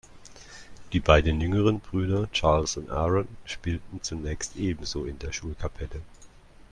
Die beiden jüngeren Brüder Charles und Aaron spielten zunächst ebenso in der Schulkapelle.